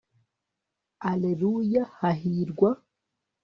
alleluya hahirwa